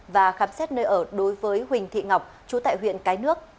và khám xét nơi ở đối với huỳnh thị ngọc chú tại huyện cái nước